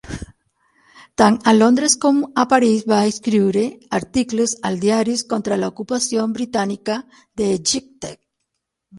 Tant a Londres com a París va escriure articles als diaris contra l'ocupació britànica d'Egipte.